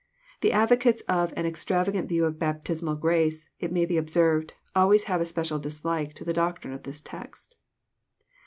The advocates of an extravagant view of baptismal grace, it may be observed, always have a special dislike to the doctrine of this text.